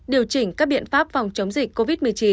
điều chỉnh các biện pháp phòng chống dịch covid một mươi chín